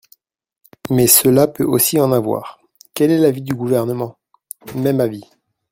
Mais cela peut aussi en avoir ! Quel est l’avis du Gouvernement ? Même avis.